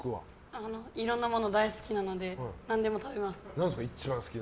いろんなもの大好きなので何でも食べます。